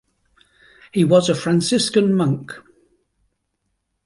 He was a Franciscan monk.